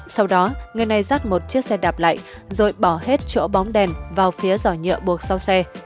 sau đó người này rắt một chiếc xe đạp lại rồi bỏ hết chỗ bóng đèn vào phía giỏ nhựa buộc sau xe